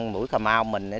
mũi cà mau